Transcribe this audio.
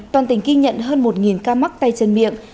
toàn tỉnh ghi nhận hơn một ca mắc tay chân miệng